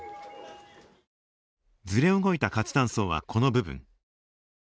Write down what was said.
ずれ動いた活断層はこの部分。